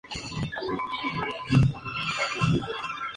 Un aspecto fundamental del modelo social es de la igualdad.